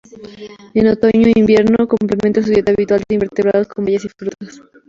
En otoño e invierno, complementa su dieta habitual de invertebrados con bayas y frutas.